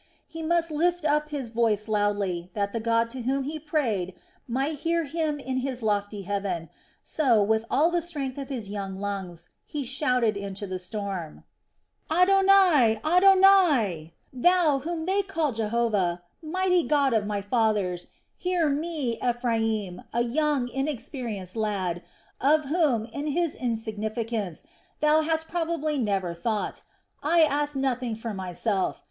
He must lift up his voice loudly, that the God to whom he prayed might hear him in His lofty heaven, so, with all the strength of his young lungs, he shouted into the storm: "Adonai, Adonai! Thou, whom they call Jehovah, mighty God of my fathers, hear me, Ephraim, a young inexperienced lad, of whom, in his insignificance, Thou hast probably never thought. I ask nothing for myself.